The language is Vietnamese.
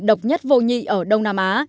độc nhất vô nhị ở đông nam á